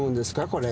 これ。